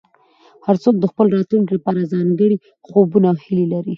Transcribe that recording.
هر څوک د خپل راتلونکي لپاره ځانګړي خوبونه او هیلې لري.